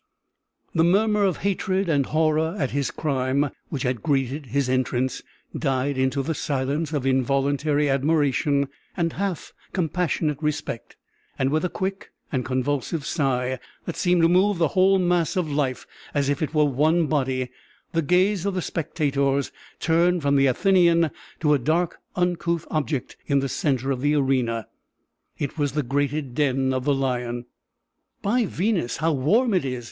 The murmur of hatred and horror at his crime which had greeted his entrance died into the silence of involuntary admiration and half compassionate respect; and with a quick and convulsive sigh, that seemed to move the whole mass of life as if it were one body, the gaze of the spectators turned from the Athenian to a dark uncouth object in the centre of the arena. It was the grated den of the lion. "By Venus, how warm it is!"